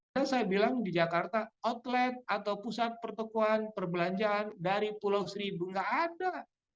saya bilang di jakarta outlet atau pusat pertukuan perbelanjaan dari pulau seribu enggak ada